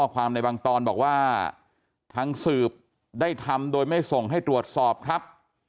ความในบางตอนบอกว่าทางสืบได้ทำโดยไม่ส่งให้ตรวจสอบครับ